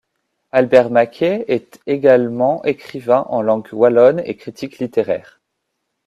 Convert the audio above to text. Albert Maquet est également écrivain en langue wallonne et critique littéraire.